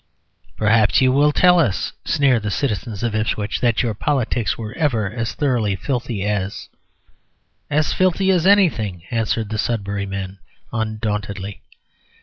"Perhaps you will tell us," sneer the citizens of Ipswich, "that your politics were ever as thoroughly filthy as " "As filthy as anything," answer the Sudbury men, undauntedly.